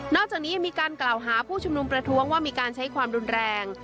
จากนี้ยังมีการกล่าวหาผู้ชุมนุมประท้วงว่ามีการใช้ความรุนแรง